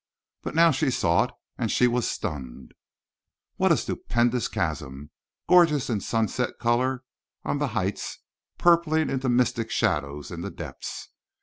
But now she saw it and she was stunned. What a stupendous chasm, gorgeous in sunset color on the heights, purpling into mystic shadows in the depths!